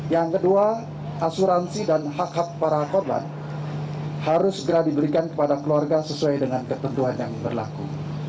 yang kedua asuransi dan hak hak para korban harus segera diberikan kepada keluarga sesuai dengan ketentuan yang berlaku